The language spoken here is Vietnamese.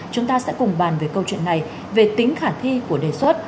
chúng ta sẽ cùng bàn về câu chuyện này về tính khả thi của đề xuất